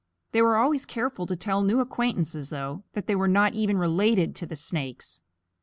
They were always careful to tell new acquaintances, though, that they were not even related to the snakes.